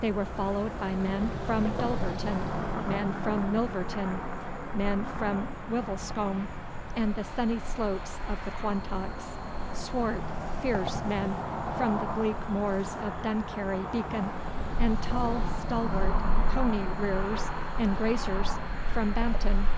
They were followed by men from Dulverton, men from Milverton, men from Wiveliscombe and the sunny slopes of the Quantocks, swart, fierce men from the bleak moors of Dunkerry Beacon, and tall, stalwart pony rearers and graziers from Bampton.